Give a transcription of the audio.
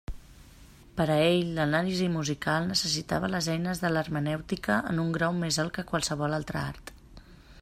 Per a ell l'anàlisi musical necessitava les eines de l'hermenèutica en un grau més alt que qualsevol altre art.